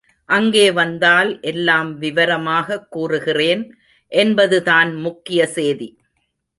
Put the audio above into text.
அங்கே வந்தால் எல்லாம் விவரமாகக் கூறுகிறேன் என்பதுதான் முக்கிய சேதி.